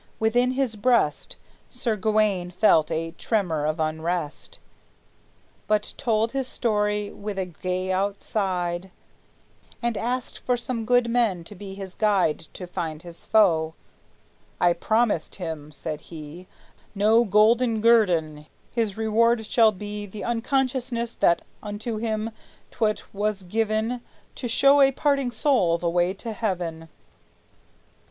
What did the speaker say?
Within his breast Sir Gawayne felt a tremor of unrest, But told his story with a gay outside, And asked for some good man to be his guide To find his foe. "I promise him," said he, "No golden guerdon; his reward shall be The consciousness that unto him 't was given To show a parting soul the way to heaven!"